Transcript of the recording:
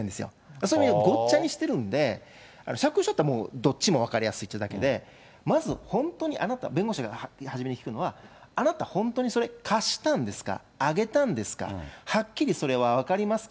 そういう意味でごっちゃにしているんで、借用書ってどっちも分かりやすいってだけで、まず本当にあなた、弁護士が初めに聞くのは、あなた本当にそれ、貸したんですか、あげたんですか、はっきりそれは分かりますか？